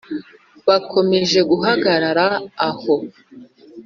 Bakomeje guhagarara aho.